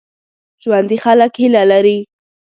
ژوندي خلک هیله لري